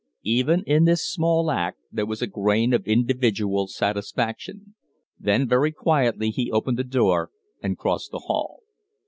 Even in this small act there was a grain of individual satisfaction. Then very quietly he opened the door and crossed the hall.